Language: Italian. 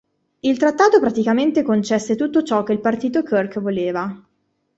Il trattato praticamente concesse tutto ciò che il Partito Kirk voleva.